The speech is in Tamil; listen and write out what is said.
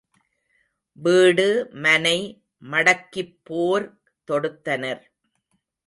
வீடுமனை மடக்கிப் போர் தொடுத்தனர்.